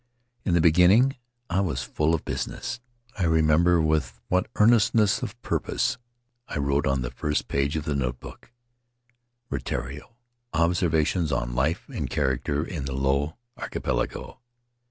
In the beginning I was full of business. I remember with what earnestness of purpose I wrote on the first page of the notebook, "Rutiaro: Observations on Life and Character in the Low Archipelago."